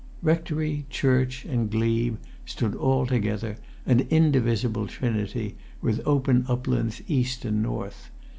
Rectory, church, and glebe stood all together, an indivisible trinity, with open uplands east and north.